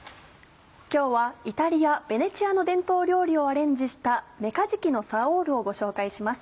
今日はイタリアベネチアの伝統料理をアレンジした「めかじきのサオール」をご紹介します。